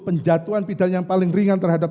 penjatuhan pidana yang paling ringan terhadap